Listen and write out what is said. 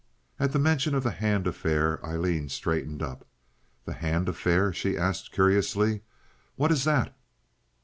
At the mention of the Hand affair Aileen straightened up. "The Hand affair?" she asked, curiously. "What is that?"